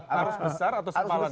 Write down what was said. harus besar atau sempalan